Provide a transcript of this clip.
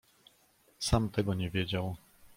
"sam tego nie wiedział."